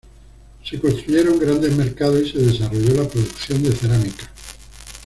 Se construyeron grandes mercados, y se desarrolló la producción de cerámica.